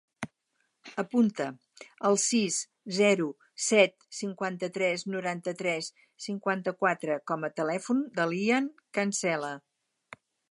Apunta el sis, zero, set, cinquanta-tres, noranta-tres, cinquanta-quatre com a telèfon de l'Ian Cancela.